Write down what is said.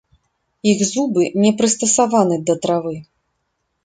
Іх зубы не прыстасаваны да травы.